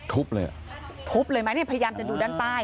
ทุบเลยทุบเลยไหมพยายามจะดูด้านใต้